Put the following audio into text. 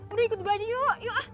udah ikut gue aja yuk yuk